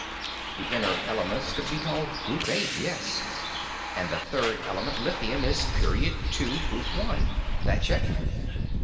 "The inert elements could be called Group Eight, yes. And the third element, lithium, is Period Two, Group One. That check?"